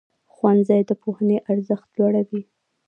ښوونځی د پوهنې ارزښت لوړوي.